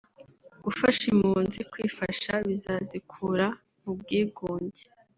Gufasha impunzi kwifasha bizazikura mu bwigunge